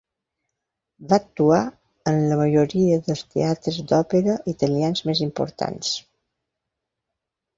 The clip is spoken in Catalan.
Va actuar en la majoria dels teatres d'òpera italians més importants.